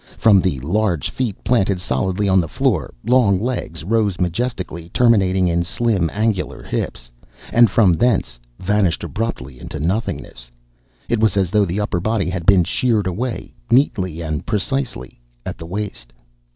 From the large feet planted solidly on the floor, long legs rose majestically, terminating in slim, angular hips and from thence vanished abruptly into nothingness. It was as though the upper body had been sheared away, neatly and precisely, at the waist.